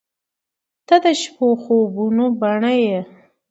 • ته د شپو خوبونو بڼه یې.